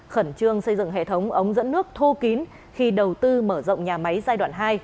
khẩn trương xây dựng hệ thống ống dẫn nước thô kín khi đầu tư mở rộng nhà máy giai đoạn hai